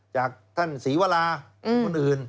จากท่านศรีวราคนอื่น